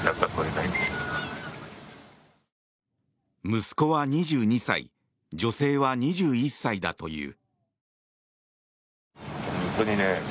息子は２２歳女性は２１歳だという。